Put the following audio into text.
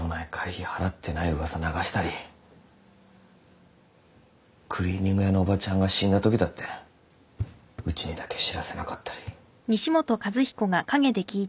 流したりクリーニング屋のおばちゃんが死んだときだってうちにだけ知らせなかったり。